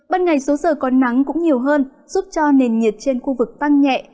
ban ngày số giờ có nắng cũng nhiều hơn giúp cho nền nhiệt trên khu vực tăng nhẹ